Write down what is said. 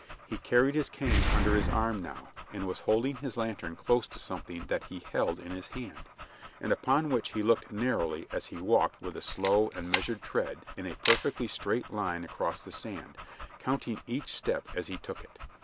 He carried his cane under his arm now, and was holding his lantern close to something that he held in his hand, and upon which he looked narrowly as he walked with a slow and measured tread in a perfectly straight line across the sand, counting each step as he took it.